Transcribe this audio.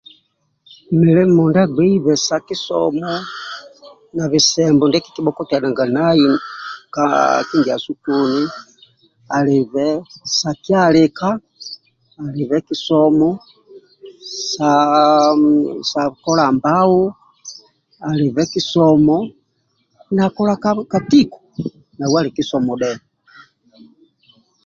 Milimo ndia agbeibe sa kisomo na bisembo ndie kikibhokktianaga nai kindiasu kuni alibe sa kialika alibe kisomo sa kola mbahu alibe kisomo sa na kola ka tiko nau ali kisomo dhe